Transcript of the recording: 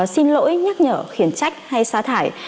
xin lỗi nhắc nhở khiến trách hay xá thải